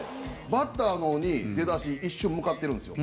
バッターのほうに出だし一瞬、向かってるんですよ。